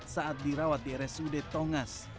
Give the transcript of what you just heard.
saat dirawat di rsud tongas